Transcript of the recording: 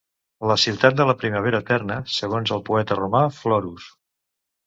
La ciutat de la primavera eterna, segons el poeta romà Florus.